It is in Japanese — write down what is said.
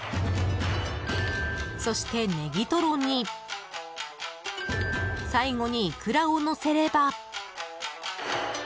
そしてネギトロに最後にイクラをのせれば。